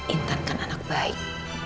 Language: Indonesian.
intan kan anak baik